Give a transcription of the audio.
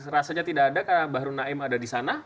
rasanya tidak ada karena bahru naim ada di sana